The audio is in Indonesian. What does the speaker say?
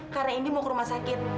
karena indi mau ke rumah sakit